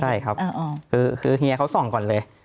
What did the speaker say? ใช่ครับคือเฮียเขาส่องก่อนเลย